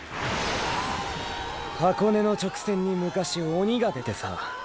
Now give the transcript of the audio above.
箱根の直線に昔鬼が出てさ。